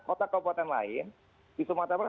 kota kabupaten lain di sumatera barat